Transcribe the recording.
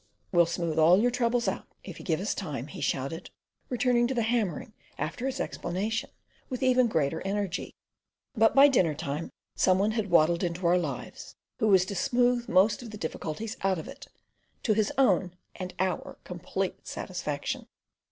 "We'll smooth all your troubles out, if you give us time," he shouted, returning to the hammering after his explanation with even greater energy. But by dinnertime some one had waddled into our lives who was to smooth most of the difficulties out of it, to his own, and our complete satisfaction.